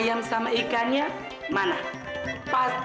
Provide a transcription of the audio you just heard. turks kok ada nih